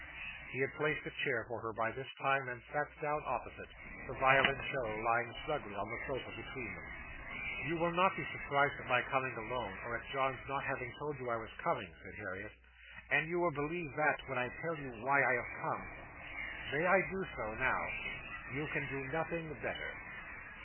He had placed a chair for her by this time, and sat down opposite; the violoncello lying snugly on the sofa between them. "You will not be surprised at my coming alone, or at John's not having told you I was coming," said Harriet; "and you will believe that, when I tell you why I have come. May I do so now?" "You can do nothing better."